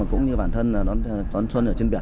cũng như bản thân đón xuân ở trên biển